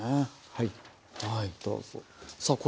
はいどうぞ。